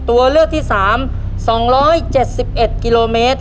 ตัวเลือกที่๓สองร้อยเจ็ดสิบเอ็ดกิโลเมตร